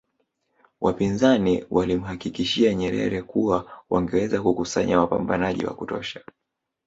Wapinzani walimhakikishia Nyerere kuwa wangeweza kukusanya wapambanaji wa kutosha